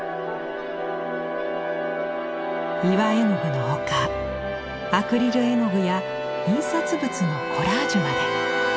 岩絵の具の他アクリル絵の具や印刷物のコラージュまで。